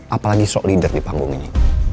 apalagi show leader di panggung ini